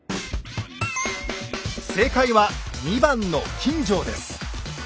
正解は２番の錦城です。